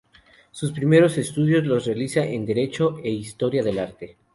Sus primeros estudios los realiza en Derecho e Historia del Arte.